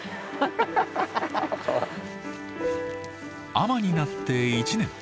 海女になって一年。